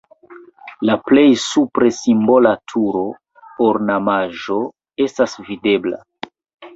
La plej supre simbola turo (ornamaĵo) estas videbla.